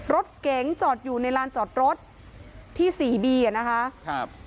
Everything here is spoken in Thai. รถเก๋งจอดอยู่ในลานจอดรถที่สี่บีอ่ะนะคะครับ